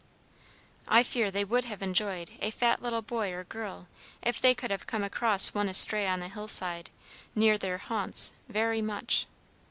I fear they would have enjoyed a fat little boy or girl if they could have come across one astray on the hillside, near their haunts, very much.